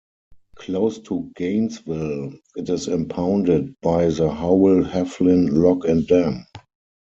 Close to Gainesville, it is impounded by the Howell Heflin Lock and Dam.